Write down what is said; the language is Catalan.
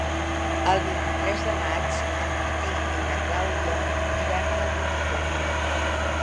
El vint-i-tres de maig en Martí i na Clàudia iran a la biblioteca.